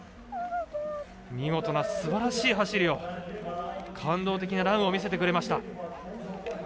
見事なすばらしい走りを感動的なランを見せてくれました。